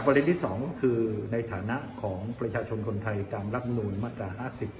กับประเด็นที่๒คือในฐานะของประชาชนคนไทยตามรับมูลมัตรา๕๐๒๕๖๐